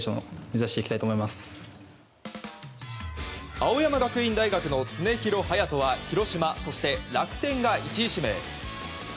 青山学院大学の常廣羽也斗は広島、楽天が１位指名。